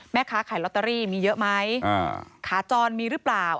แม่ค้าขายลอตเตอรี่มีเยอะไหมขาจรมีหรือเปล่า